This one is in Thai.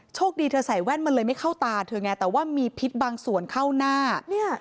คดีเธอใส่แว่นมาเลยไม่เข้าตาเธอไงแต่ว่ามีพิษบางส่วนเข้าหน้าเนี่ย